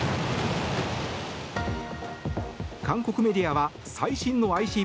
韓国メディアは最新のＩＣＢＭ